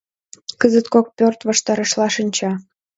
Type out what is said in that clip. Кызыт кок пӧрт ваштарешла шинча.